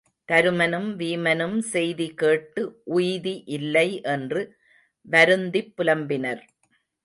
தருமனும் வீமனும் செய்தி கேட்டு உய்தி இல்லை என்று வருந்திப் புலம்பினர்.